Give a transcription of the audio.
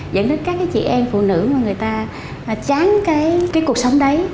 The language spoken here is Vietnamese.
dẫn đến các chị em phụ nữ mà người ta chán cái cuộc sống đấy